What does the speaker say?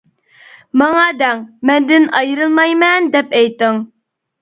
ماڭا دەڭ مەندىن ئايرىلمايمەن دەپ ئېيتىڭ.